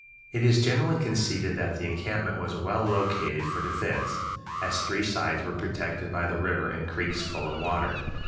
It is generally conceded that the encampment was well located for defense, as three sides were protected by the river and creeks full of water.